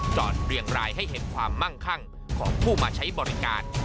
เรียงรายให้เห็นความมั่งคั่งของผู้มาใช้บริการ